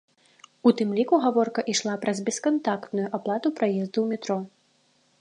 У тым ліку гаворка ішла пра бескантактную аплату праезду ў метро.